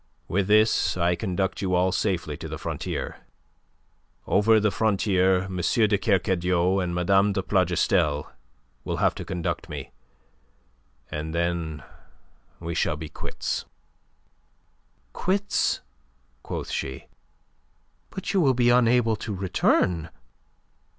"With this I conduct you all safely to the frontier. Over the frontier M. de Kercadiou and Mme. de Plougastel will have to conduct me; and then we shall be quits." "Quits?" quoth she. "But you will be unable to return!"